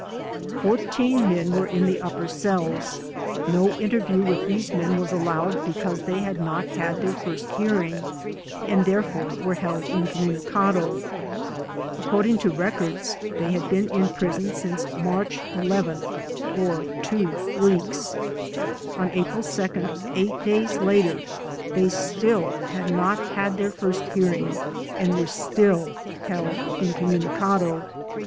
Fourteen men were in the upper cells. No interview with these men was allowed because they had not had their first hearing and therefore were held incommuni cado. According to records, they had been in prison since March 11, or two weeks. On April 2, eight days I HOW THE ALIENS WERE TREATED 81 later, they still had not had their first hearing and were still held incommunicado.